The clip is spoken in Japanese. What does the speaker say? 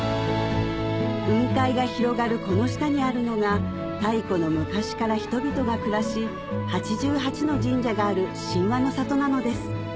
雲海が広がるこの下にあるのが太古の昔から人々が暮らし８８の神社がある神話の里なのです